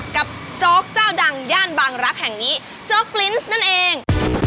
โจ๊กเจ้าดังย่านบางรักแห่งนี้โจ๊กลิ้นซ์นั่นเอง